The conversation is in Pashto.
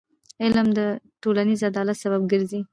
علم د ټولنیز عدالت سبب ګرځي.